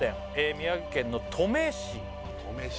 宮城県の登米市登米市